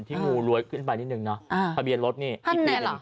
ที่งูรวยขึ้นไปนิดหนึ่งเนอะอ่าทะเบียนรถนี่ท่านไหนเหรอ